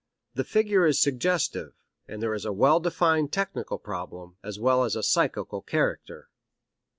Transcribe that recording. The figure is suggestive, and there is a well defined technical problem, as well as a psychical character.